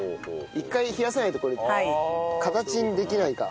一回冷やさないとこれ形にできないか。